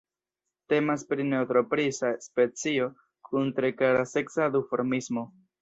Temas pri neotropisa specio kun tre klara seksa duformismo.